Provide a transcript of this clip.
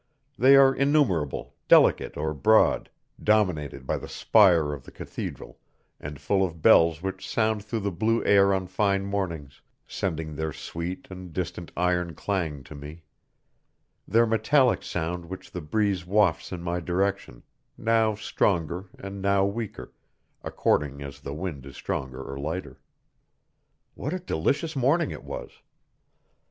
They are innumerable, delicate or broad, dominated by the spire of the cathedral, and full of bells which sound through the blue air on fine mornings, sending their sweet and distant iron clang to me; their metallic sound which the breeze wafts in my direction, now stronger and now weaker, according as the wind is stronger or lighter. What a delicious morning it was!